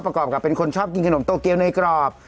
ประกอบกับเป็นคนชอบกินขนมโตเกียวน้อยกรอบ